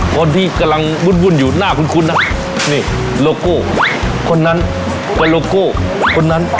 คนที่กำลังวุ่นอยู่หน้าคุ้นนะนี่โลโก้คนนั้นเป็นโลโก้คนนั้น